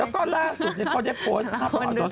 แล้วก็ล่าสุดเขาได้โพสต์